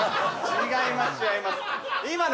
違います